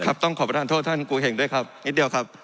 ต้องขอประทานโทษท่านกูเห็งด้วยครับนิดเดียวครับ